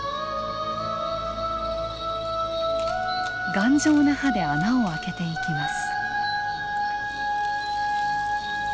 頑丈な歯で穴を開けていきます。